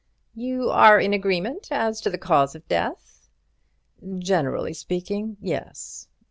"You are in agreement as to the cause of death?" "Generally speaking, yes."